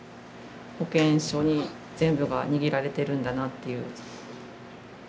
保健所に全部が握られてるんだなっていう。